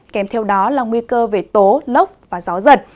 kèm theo đó là nguy cơ về tố lốc và gió giật